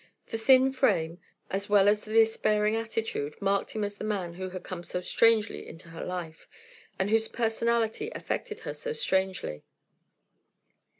The thin frame, as well as the despairing attitude, marked him as the man who had come so strangely into her life and whose personality affected her so strangely.